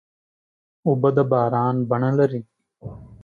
اوبه د باران بڼه لري.